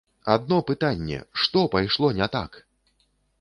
Адно пытанне, што пайшло не так???